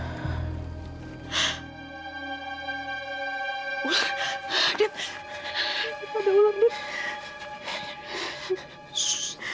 tidak ada ular dit